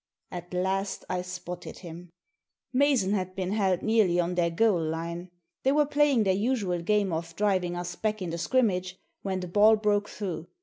At last I spotted him. Mason had been held nearly on their goal line. They were playing their usual g^ame of driving us back in the scrimmage, when the ball broke through.